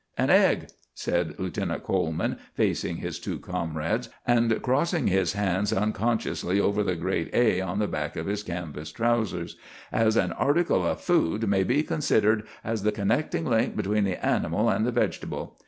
"An egg," said Lieutenant Coleman, facing his two comrades, and crossing his hands unconsciously over the great "A" on the back of his canvas trousers, "as an article of food may be considered as the connecting link between the animal and the vegetable.